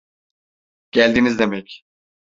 Geldiniz demek.